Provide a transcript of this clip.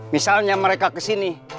misalnya mereka kesini